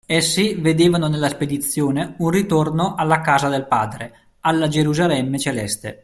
Essi vedevano nella spedizione un ritorno alla Casa del Padre, alla Gerusalemme Celeste.